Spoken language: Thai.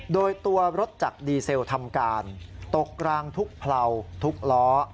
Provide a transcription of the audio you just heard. โดยตัวรถจากดีเซลทำการตกรางทุกเผลาทุกล้อ